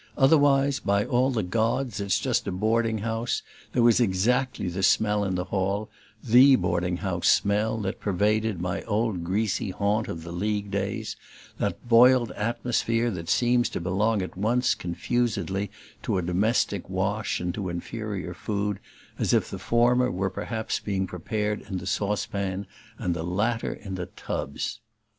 Otherwise, by all the gods, it's just a boarding house: there was exactly the smell in the hall, THE boarding house smell, that pervaded my old greasy haunt of the League days: that boiled atmosphere that seems to belong at once, confusedly, to a domestic "wash" and to inferior food as if the former were perhaps being prepared in the saucepan and the latter in the tubs.